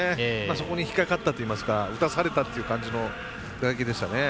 そこに引っ掛かったというか打たされたという感じの打撃でしたね。